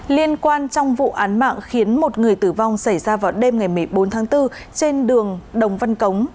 liên quan trong vụ án mạng khiến một người tử vong xảy ra vào đêm ngày một mươi bốn tháng bốn trên đường đồng văn cống